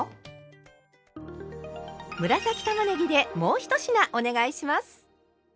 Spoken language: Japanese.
紫たまねぎでもう１品お願いします！